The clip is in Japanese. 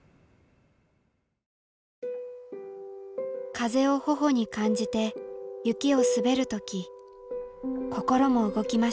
風を頬に感じて雪を滑る時心も動きました。